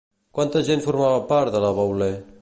Quanta gent formava part de la Boulé?